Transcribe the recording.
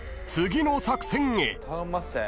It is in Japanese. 次の作戦へ］